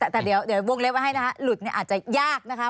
แต่เดี๋ยววงเล็บไว้ให้นะคะหลุดเนี่ยอาจจะยากนะคะ